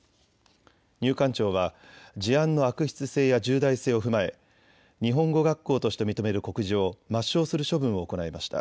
入管庁は事案の悪質性や重大性を踏まえ日本語学校として認める告示を抹消する処分を行いました。